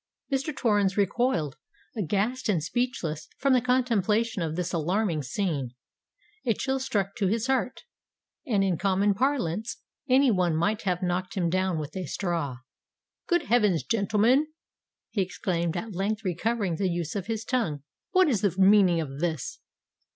Mr. Torrens recoiled, aghast and speechless, from the contemplation of this alarming scene. A chill struck to his heart: and, in common parlance, any one might have knocked him down with a straw. "Good heavens! gentlemen," he exclaimed, at length recovering the use of his tongue: "what is the meaning of this?"